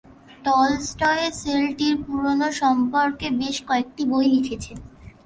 Tolstoy Celtic পুরাণ সম্পর্কে বেশ কয়েকটি বই লিখেছেন।